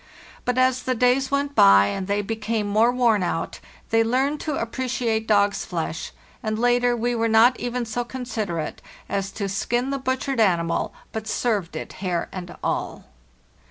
But as the days went by and they became more worn out, they learned to appreciate dog's flesh, and later we were not even so considerate as to skin the butchered animal, but served it hair and all.